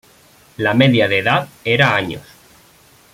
La media de edad era años.